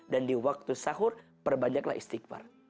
dan di waktu sahur perbanyaklah istighfar